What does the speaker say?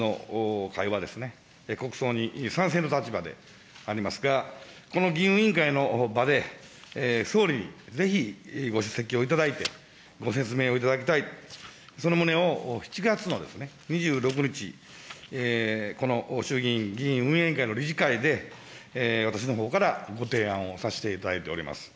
そもそも私ども日本維新の会は、国葬に賛成の立場でありますが、この議院運営委員会の場で、総理にぜひご出席をいただいて、ご説明をいただきたい、その旨を７月のですね、２６日、この衆議院議院運営委員会の理事会で、私どものほうからご提案をさせていただいております。